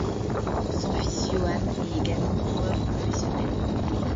Son fils Yoann est également coureur professionnel.